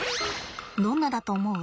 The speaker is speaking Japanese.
どんなだと思う？